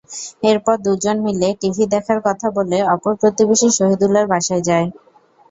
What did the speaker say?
এরপর দুজন মিলে টিভি দেখার কথা বলে অপর প্রতিবেশী শহীদুলের বাসায় যায়।